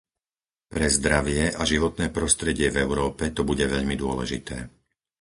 Pre zdravie a životné prostredie v Európe to bude veľmi dôležité.